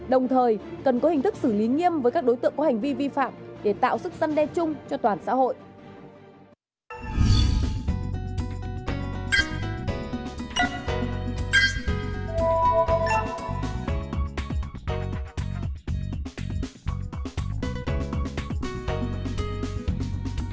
đồng thời cần có hình thức xử lý nghiêm với các đối tượng có hành vi vi phạm để tạo sức săn đe chung cho toàn xã hội